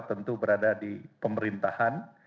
tentu berada di pemerintahan